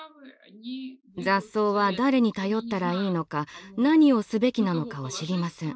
雑草は誰に頼ったらいいのか何をすべきなのかを知りません。